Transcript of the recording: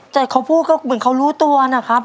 แต่เขาพูดก็เหมือนเขารู้ตัวนะครับ